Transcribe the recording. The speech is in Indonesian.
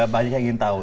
banyak yang ingin tahu